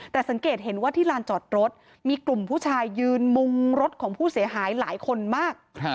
แต่สังเกตเห็นว่าที่ลานจอดรถมีกลุ่มผู้ชายยืนมุมรถของผู้เสียหายหลายคนมาก